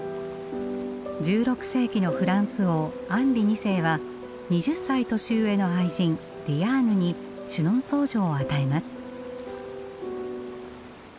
１６世紀のフランス王アンリ二世は２０歳年上の愛人ディアーヌにシュノンソー城を与えます。